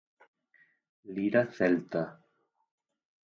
Lira Celta".